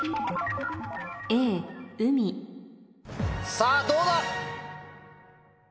さぁどうだ？